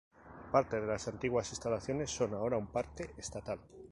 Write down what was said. Parte de las antiguas instalaciones son ahora un parque estatal.